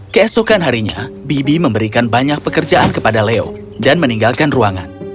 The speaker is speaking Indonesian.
keesokan harinya bibi memberikan banyak pekerjaan kepada leo dan meninggalkan ruangan